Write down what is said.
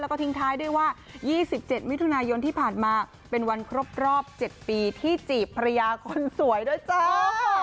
แล้วก็ทิ้งท้ายด้วยว่า๒๗มิถุนายนที่ผ่านมาเป็นวันครบรอบ๗ปีที่จีบภรรยาคนสวยด้วยจ้า